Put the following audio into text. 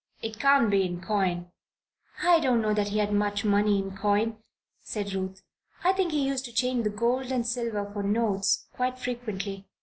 "It can't be in coin." "I do not know that he had much money in coin," said Ruth. "I think he used to change the gold and silver for notes, quite frequently.